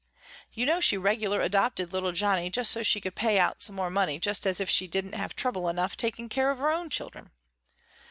You know she regular adopted little Johnny just so she could pay out some more money just as if she didn't have trouble enough taking care of her own children.